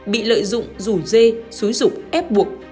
bị lợi dụng rủ dê xúi rụng ép buộc